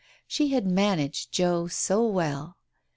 She had managed Joe well